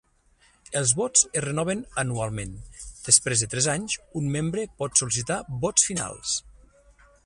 Els vots es renoven anualment; després de tres anys, un membre pot sol·licitar vots finals.